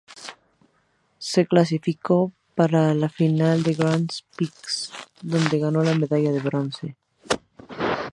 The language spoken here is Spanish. Se clasificó para la final del Grand Prix, donde ganó la medalla de bronce.